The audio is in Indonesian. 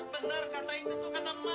benar kata itu tuh kata mbak